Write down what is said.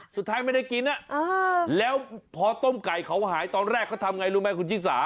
สุดท้ายไม่ได้กินแล้วพอต้มไก่เขาหายตอนแรกเขาทำไงรู้ไหมคุณชิสา